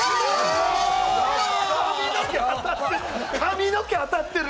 髪の毛、当たってる！